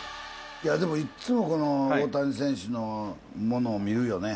でもいっつもこの大谷選手のものを見るよね。